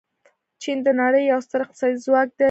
چین د نړۍ یو ستر اقتصادي ځواک دی.